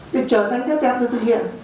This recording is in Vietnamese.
để trở thành cái nét đẹp được thực hiện